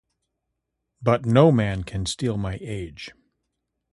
But no man can steal my age.